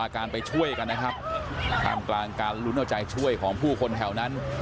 การไปช่วยกันนะครับท่ามกลางการลุ้นเอาใจช่วยของผู้คนแถวนั้น